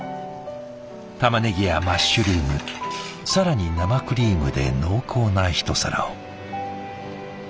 たまねぎやマッシュルーム更に生クリームで濃厚なひと皿を。